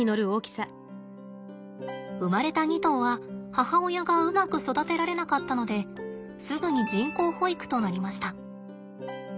生まれた２頭は母親がうまく育てられなかったのですぐに人工哺育となりました。